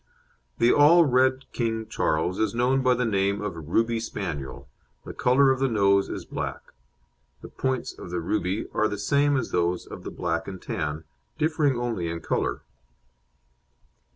The All Red King Charles is known by the name of "Ruby Spaniel"; the colour of the nose is black. The points of the "Ruby" are the same as those of the "Black and Tan," differing only in colour.